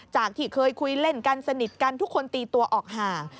ที่เคยคุยเล่นกันสนิทกันทุกคนตีตัวออกห่าง